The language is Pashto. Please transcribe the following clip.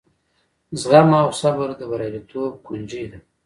زغم او صبر د بریالیتوب کونجۍ ده.